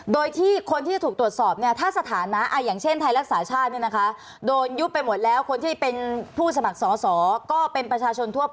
โดยที่คนที่ถูกตรวจสอบถ้าสถานาอย่างเช่นทายรักษาชาตินี่นะคะ